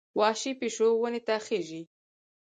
وحشي پیشو ونې ته خېژي.